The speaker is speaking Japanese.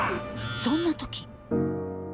そんな時。